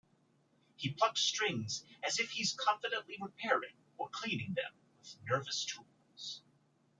He plucks strings as if he's confidently repairing or cleaning them with nervous tools.